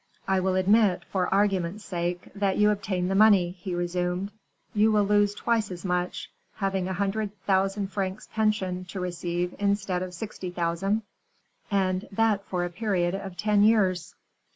"I will admit, for argument's sake, that you obtain the money," he resumed; "you will lose twice as much, having a hundred thousand francs' pension to receive instead of sixty thousand, and that for a period of ten years."